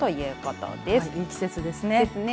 いい季節ですね。ですね。